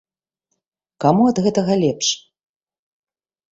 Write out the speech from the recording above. Каму ад гэтага лепш?